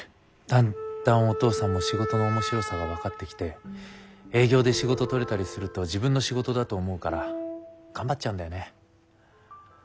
だんだんお父さんも仕事の面白さが分かってきて営業で仕事とれたりすると自分の仕事だと思うから頑張っちゃうんだよね。